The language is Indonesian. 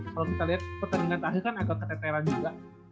kalau kita lihat pertandingan terakhir kan agak keteteran juga